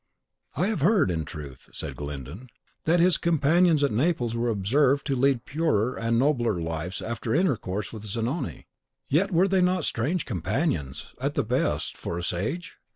"I have heard, in truth," said Glyndon, "that his companions at Naples were observed to lead purer and nobler lives after intercourse with Zanoni; yet were they not strange companions, at the best, for a sage?